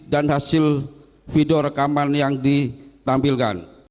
dan hasil video rekaman yang ditampilkan